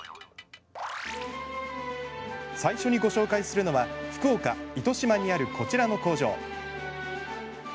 最初にご紹介するのは福岡・糸島にあるこちらの工場。